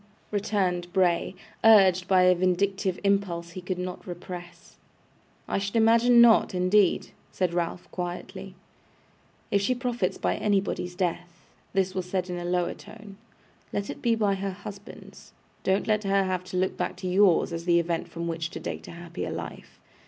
returned Bray, urged by a vindictive impulse he could not repress. 'I should imagine not, indeed!' said Ralph, quietly. 'If she profits by anybody's death,' this was said in a lower tone, 'let it be by her husband's. Don't let her have to look back to yours, as the event from which to date a happier life.